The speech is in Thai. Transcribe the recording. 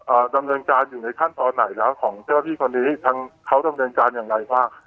เอ่อนำเลนจานอยู่ในขั้นตอนไหนเนี้ยของเธอพี่พ่อนี้ทั้งเขานำเลนจานอย่างไรบ้าง